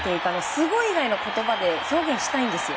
すごい以外の言葉で表現したいんですよ。